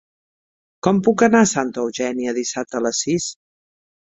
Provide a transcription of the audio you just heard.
Com puc anar a Santa Eugènia dissabte a les sis?